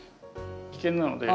危険なので。